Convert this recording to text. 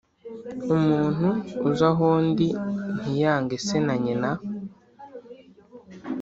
Umuntu uza aho ndi ntiyange se na nyina.